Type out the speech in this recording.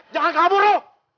jangan kabur lu